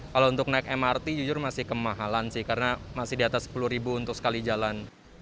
kalau untuk naik mrt jujur masih kemahalan sih karena masih di atas sepuluh ribu untuk sekali jalan